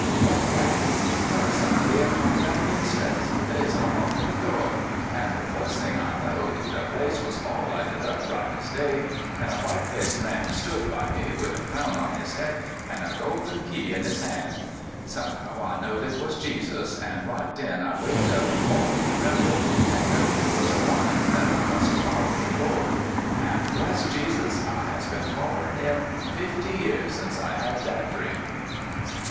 What's dat? Dar's some body a comin' down dem steps; dey's unlockin' de do'; an' de fus' thing I knowed, de place was all lighted up bright as day, an' a white faced man stood by me, wid a crown on his head, an' a gold en key in his han'. Somehow I knowed it was Jesus, an' right den I waked up all of a tremble, an' knowed it was a warnin' dat I mus' foller de Lord. An', bless Jesus, I has been foUerin' him fifty year since I had dat dream."